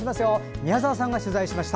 宮澤さんが取材しました。